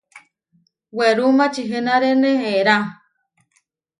Werú mačihenaréne eerá.